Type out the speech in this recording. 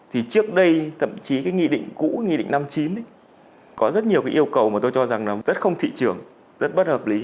thì trước đây thậm chí cái nghị định cũ nghị định năm mươi chín ấy có rất nhiều cái yêu cầu mà tôi cho rằng là rất không thị trường rất bất hợp lý